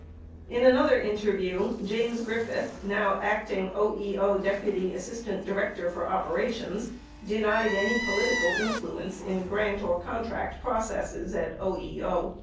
In another interview, James Griffith, now Acting OEO Deputy As sistant Director for Operations, denied any political influence in grant or contract processes at OEO.